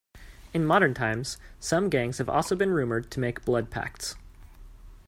In modern times, some gangs have also been rumored to make blood pacts.